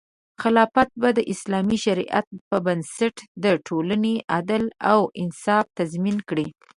خلافت به د اسلامي شریعت په بنسټ د ټولنې عدل او انصاف تضمین کړي.